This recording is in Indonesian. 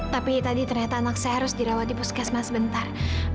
tapi tadi ternyata anak saya harus dirawat di puskesma sebentar